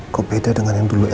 kok beda dengan yang dulu ya